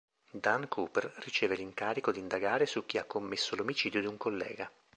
Dan Cooper riceve l'incarico di indagare su chi ha commesso l'omicidio di un collega.